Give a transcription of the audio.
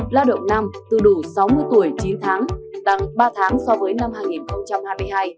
lao động nam từ đủ sáu mươi tuổi chín tháng tăng ba tháng so với năm hai nghìn hai mươi hai